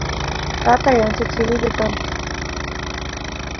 tatay ancha chirilu kan